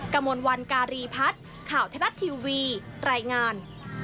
กระมวลวันการีพัฒน์ข่าวเทพทัศน์ทีวีแรงงาน